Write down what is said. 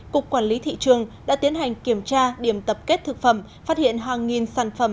cục quản lý thị trường đã tiến hành kiểm tra điểm tập kết thực phẩm phát hiện hàng nghìn sản phẩm